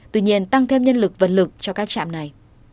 tuy nhiên tăng thêm nhân lực vật lực cho các trạm này